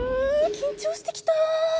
緊張してきたぁ。